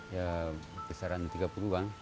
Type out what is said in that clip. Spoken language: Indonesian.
ya kisaran tiga puluh bang